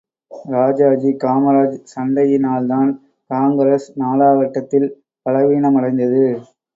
ராஜாஜி காமராஜ் சண்டையினால்தான், காங்கிரஸ் நாளாவட்டத்தில் பலவீனமடைந்தது.